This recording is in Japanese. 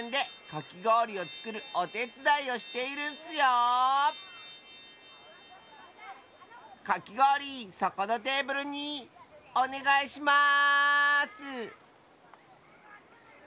かきごおりそこのテーブルにおねがいします！